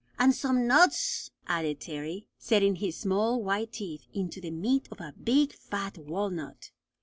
"An' some nuts," added Terry, setting his small white teeth into the meat of a big fat walnut.